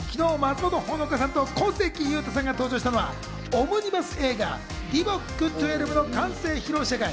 昨日、松本穂香さんと小関裕太さんが登場したのはオムニバス映画『ＤＩＶＯＣ−１２』の完成披露試写会。